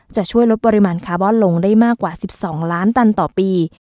จะช่วยลดปริมาณคาร์บอนลงได้มากกว่า๑๒ล้านตันต่อปี